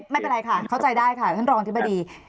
ได้ค่ะไม่เป็นไรค่ะเข้าใจได้ค่ะโรงอธิบดี